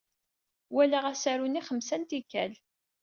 Walaɣ asaru-nni xemsa n tikkal.